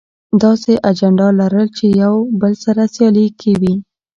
داسې اجنډا لرل چې يو بل سره سیالي کې وي.